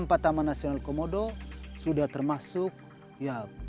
hal itu pasti harus kita hematakan